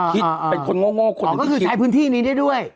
คิดเป็นคนโง่คนหนึ่งก็คือใช้พื้นที่นี้ได้ด้วย